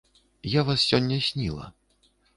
Я вас сёння сніла.